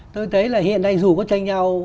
tôi thấy là hiện nay dù có tranh nhau